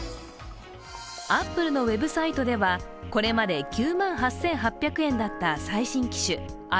アップルのウェブサイトではこれまで９万８８８０円だった最新機種